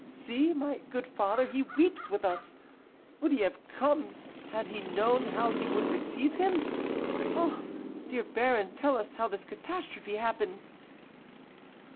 See, my good father, he weeps with us. Would he have come had he known how you would receive him? Ah, dear baron, tell us how this catastrophe happened."